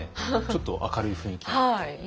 ちょっと明るい雰囲気に。